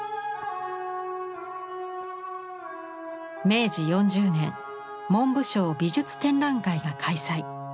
明治４０年文部省美術展覧会が開催。